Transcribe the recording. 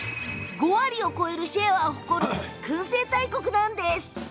５割を超えるシェアを誇るくん製大国なんです。